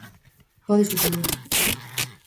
Pode suceder.